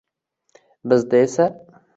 Bizda esa…